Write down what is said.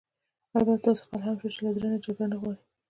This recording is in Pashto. البته داسې خلک هم شته چې له زړه نه جګړه نه غواړي.